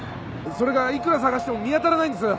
それがいくら探しても見当たらないんです。